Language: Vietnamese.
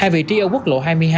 hai vị trí ở quốc lộ hai mươi hai